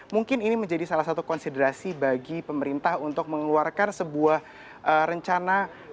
mungkin ini menjadi salah satu konsiderasi bagi pemerintah untuk mengeluarkan sebuah rencana